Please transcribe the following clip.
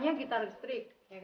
kemarin minta gitar elektrik